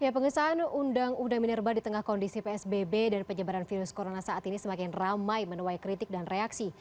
pengesahan undang undang minerba di tengah kondisi psbb dan penyebaran virus corona saat ini semakin ramai menuai kritik dan reaksi